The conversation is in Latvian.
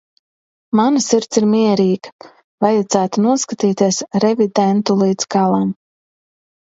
Mana sirds ir mierīga, vajadzētu noskatīties Revidentu līdz galam.